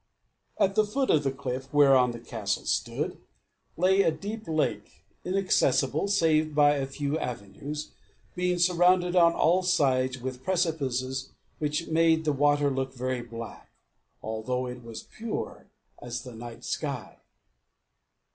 At the foot of the cliff whereon the castle stood, lay a deep lake, inaccessible save by a few avenues, being surrounded on all sides with precipices which made the water look very black, although it was pure as the nightsky.